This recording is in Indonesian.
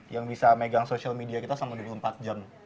yang bisa megang social media kita selama dua puluh empat jam